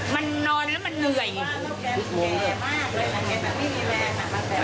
มันนอนแล้ว